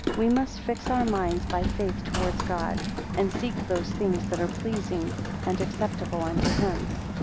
We must fix our minds by faith towards God, and seek those things that are pleasing and acceptable unto him.